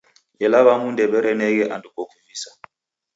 Ela w'amu ndew'ereneghe andu kokuvisa.